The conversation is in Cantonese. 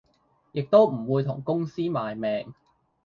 亦都唔會同公司賣命